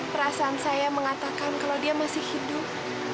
perasaan saya mengatakan kalau dia masih hidup